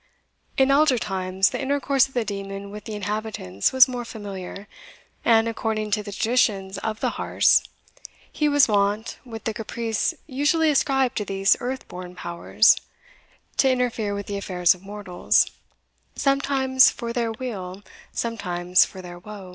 In elder times, the intercourse of the demon with the inhabitants was more familiar, and, according to the traditions of the Harz, he was wont, with the caprice usually ascribed to these earth born powers, to interfere with the affairs of mortals, sometimes for their weal, sometimes for their wo.